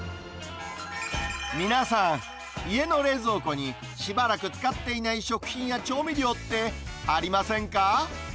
皆さん、家の冷蔵庫にしばらく使っていない食品や調味料ってありませんか？